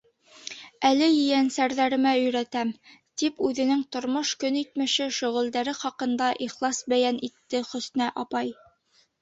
Әле ейәнсәрҙәремә өйрәтәм, — тип үҙенең тормош-көнитмеше, шөғөлдәре хаҡында ихлас бәйән итте Хөснә апай.